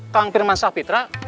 kang firman safitra